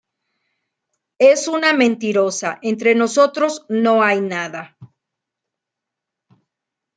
es una mentirosa. entre nosotros no hay nada.